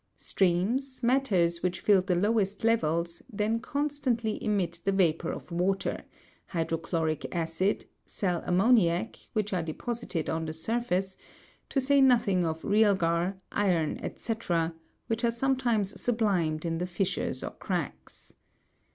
Streams, matters which filled the lowest levels, then constantly emit the vapour of water, hydrochloric acid, sal ammoniac, which are de posited on the snrface, to say nothing of realgar, iron, &c., which are some times sublimed in the fissures or cracks.